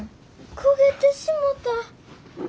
焦げてしもた。